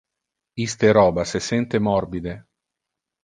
Iste roba se sente morbide.